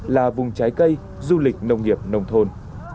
là vùng trái cây du lịch nông nghiệp nông thôn